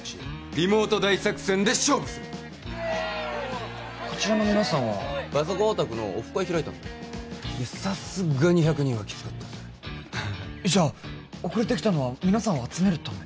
リモート大作戦で勝負するこちらの皆さんはパソコンオタクのオフ会開いたのさすがに１００人はきつかったぜじゃ遅れてきたのは皆さんを集めるため？